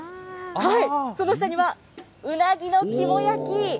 その下には、うなぎの肝焼き。